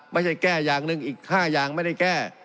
ไม่ใช่แก้อย่างหนึ่งอีก๕อย่างไม่ได้แก้